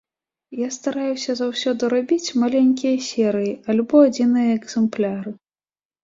Я стараюся заўсёды рабіць маленькія серыі або адзіныя экзэмпляры.